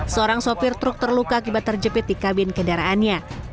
seorang sopir truk terluka akibat terjepit di kabin kendaraannya